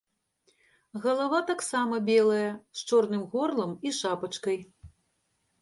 Галава таксама белая, з чорным горлам і шапачкай.